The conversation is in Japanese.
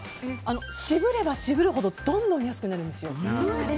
渋れば渋るほどどんどん安くなるんですよ。